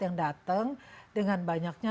yang datang dengan banyaknya